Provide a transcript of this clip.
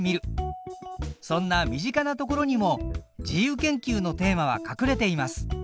そんな身近なところにも自由研究のテーマはかくれています。